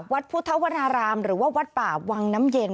วัดพุทธวรารามหรือว่าวัดป่าวังน้ำเย็น